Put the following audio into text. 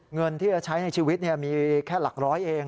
เงินที่จะใช้ในชีวิตมีแค่หลักร้อยเอง